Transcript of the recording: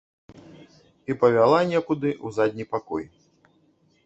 І павяла некуды ў задні пакой.